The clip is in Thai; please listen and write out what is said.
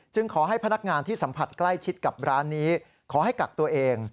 ขอให้พนักงานที่สัมผัสใกล้ชิดกับร้านนี้ขอให้กักตัวเอง